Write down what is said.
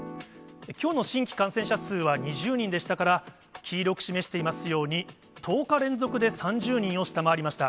きょうの新規感染者数は２０人でしたから、黄色く示していますように、１０日連続で３０人を下回りました。